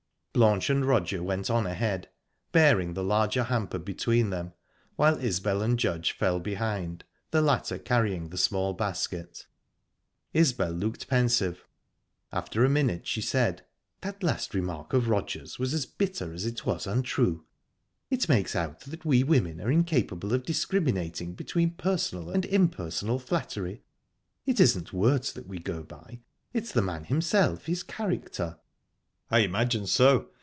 Blanche and Roger went on ahead, bearing the larger hamper between them, while Isbel and Judge fell behind, the latter carrying the small basket. Isbel looked pensive. After a minute she said: "That last remark of Roger's was as bitter as it was untrue. It makes out that we women are incapable of discriminating between personal and impersonal flattery. It isn't words that we go by; it's the man himself his character." "I imagine so.